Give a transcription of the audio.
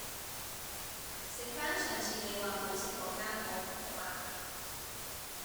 食返上次你話好食嗰間好唔好啊